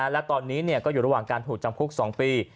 และตอนนี้ก็อยู่ระหว่างการถูกจำคุก๒ปี